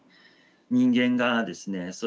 人間がですね